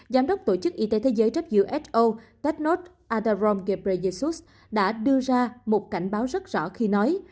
giám đốc tổ chức y tế thế giới who thetnod adarom gebreyesus đã đưa ra một cảnh báo rất rõ khi nói